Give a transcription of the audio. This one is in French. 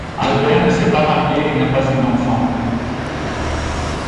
Albert ne s'est pas marié et n'a pas eu d'enfant.